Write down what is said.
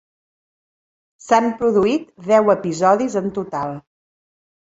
S'han produït deu episodis en total.